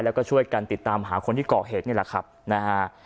แล้วก็ช่วยกันติดตามหาคนที่เกาะเหตุนี่แหละครับนะฮะ